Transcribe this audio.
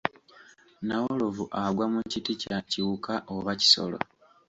Nnawolovu agwa mu kiti kya kiwuka oba kisolo?